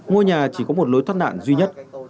ngôi nhà chỉ có một lối thoát nạn duy nhất